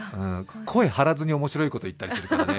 声張らずに面白いこと言ったりするからね。